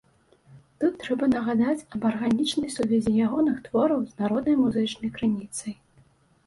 Тут трэба нагадаць аб арганічнай сувязі ягоных твораў з народнай музычнай крыніцай.